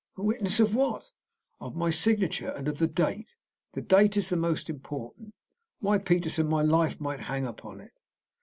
"A witness? Of what?" "Of my signature, and of the date. The date is the most important. Why, Peterson, my life might hang upon it."